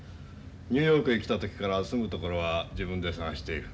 ニューヨークへ来た時から住む所は自分で探している。